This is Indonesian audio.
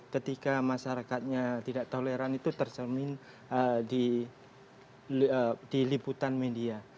ketika masyarakatnya tidak toleran itu tercermin di liputan media